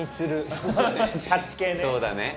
そうだね。